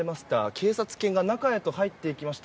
警察犬が中へと入っていきました。